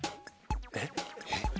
えっ？